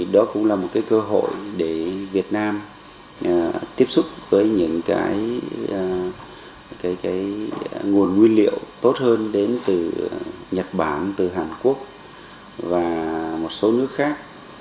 đó cũng là một cơ hội để việt nam tiếp xúc với những cái nguồn nguyên liệu tốt hơn đến từ nhật bản từ hàn quốc và một số nước khác